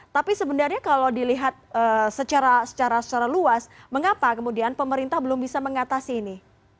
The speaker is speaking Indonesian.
tapi sebenarnya kalau dilihat secara luas mengapa kemudian pemerintah belum bisa mengatasi ini